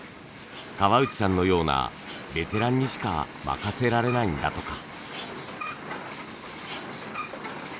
河内さんのようなベテランにしか任せられないんだとか。